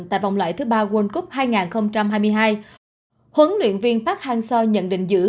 tại vòng loại thứ ba world cup hai nghìn hai mươi hai huấn luyện viên park hang seo nhận định giữ